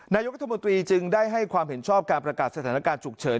นายกรัฐมนตรีจึงได้ให้ความเห็นชอบการประกาศสถานการณ์ฉุกเฉิน